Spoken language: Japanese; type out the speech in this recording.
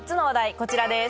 こちらです。